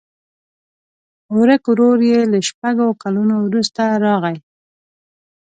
ورک ورور یې له شپږو کلونو وروسته راغی.